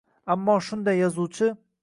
Ammo shunday yozuvchi –